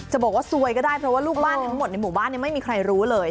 บอกว่าซวยก็ได้เพราะว่าลูกบ้านทั้งหมดในหมู่บ้านไม่มีใครรู้เลย